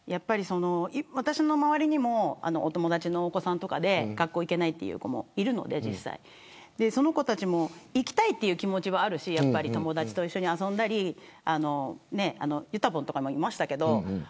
私の周りにもお友達のお子さんとかで学校に行けない子もいるのでその子たちも行きたいという気持ちはあるし友達と遊んだりゆたぼんとかもいましたけど。